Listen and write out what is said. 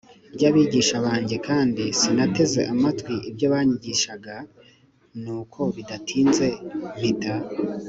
ry abigisha banjye h kandi sinateze amatwi ibyo banyigishaga i Nuko bidatinze mpita